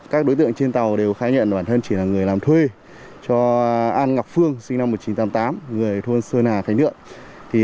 các đối tượng trên tàu đều khai nhận bản thân chỉ là người làm thuê cho an ngọc phương sinh năm một nghìn chín trăm tám mươi tám người thôn sơn hà thành lượng